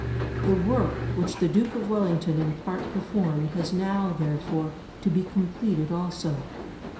The work which the Duke of Wellington in part performed has now, therefore, to be completed also.